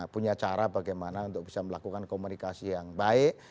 punya cara bagaimana untuk bisa melakukan komunikasi yang baik